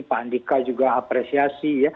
pak andika juga apresiasi